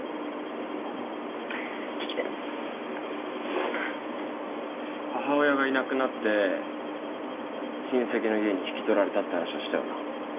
うん聞きたい母親がいなくなって親戚の家に引き取られたって話はしたよな？